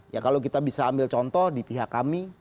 ya kalau kita bisa ambil contoh di pihak kami